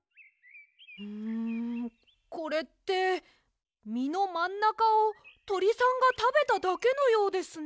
んこれってみのまんなかをとりさんがたべただけのようですね。